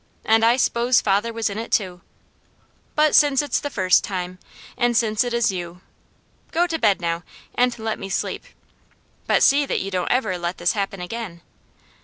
And I 'spose father was in it too! But since it's the first time, and since it is you ! Go to bed now, and let me sleep But see that you don't ever let this happen again."